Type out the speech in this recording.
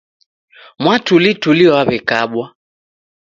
Mwatulituli wawekabwa